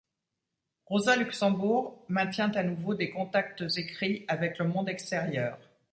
Rosa Luxemburg maintient à nouveau des contacts écrits avec le monde extérieur.